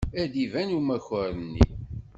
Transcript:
Ad d-iban umakar-nni.